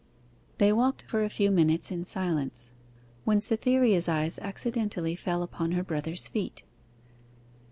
They walked for a few minutes in silence, when Cytherea's eyes accidentally fell upon her brother's feet.